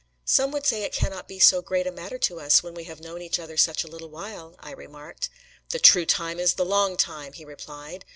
"Some would say it cannot be so great a matter to us, when we have known each other such a little while!" I remarked. "The true time is the long time!" he replied.